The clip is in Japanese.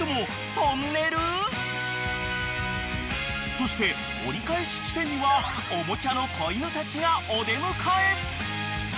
［そして折り返し地点にはおもちゃの子犬たちがお出迎え］